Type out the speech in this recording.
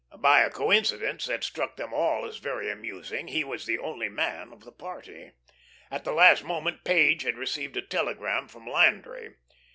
By a coincidence that struck them all as very amusing, he was the only man of the party. At the last moment Page had received a telegram from Landry.